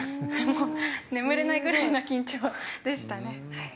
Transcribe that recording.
でも眠れないくらいの緊張でしたね。